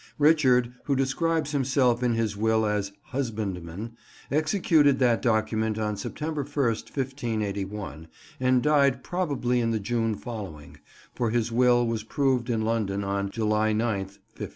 Richard, who describes himself in his will as "husbandman," executed that document on September 1st, 1581, and died probably in the June following, for his will was proved in London on July 9th, 1582.